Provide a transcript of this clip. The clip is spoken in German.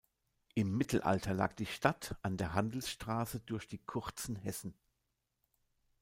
Im Mittelalter lag die Stadt an der Handelsstraße durch die Kurzen Hessen.